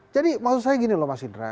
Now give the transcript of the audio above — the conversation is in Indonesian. jadi maksud saya gini loh mas indra